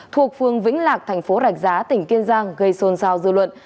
thuộc phương vĩnh lạc thành phố rạch giá tỉnh kiên giang gây xôn xao dư luận